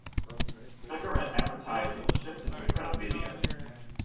Cigarette advertising shifted to print media.